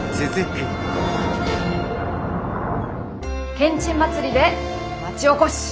けんちん祭りで町おこし。